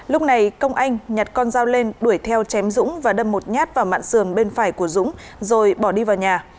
lúc này công anh nhặt con dao lên đuổi theo chém dũng và đâm một nhát vào mạng sườn bên phải của dũng rồi bỏ đi vào nhà